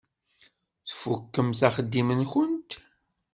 Tfukkemt axeddim-nkent?